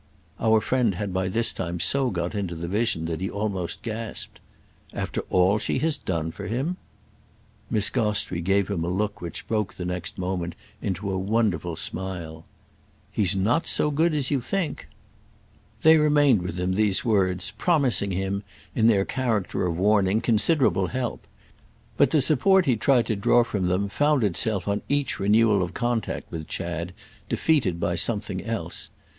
Our friend had by this time so got into the vision that he almost gasped. "After all she has done for him?" Miss Gostrey gave him a look which broke the next moment into a wonderful smile. "He's not so good as you think!" They remained with him, these words, promising him, in their character of warning, considerable help; but the support he tried to draw from them found itself on each renewal of contact with Chad defeated by something else.